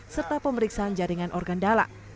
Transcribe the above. serta pemeriksaan jaringan organ dalam